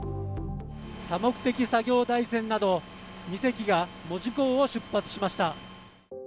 多目的作業台船など、２隻が門司港を出発しました。